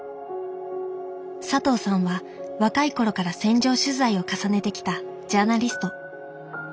佐藤さんは若い頃から戦場取材を重ねてきたジャーナリスト。